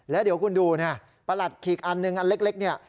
แล้วเดี๋ยวกูดูประหลัดขิกอันนึงอันเล็กเนี่ย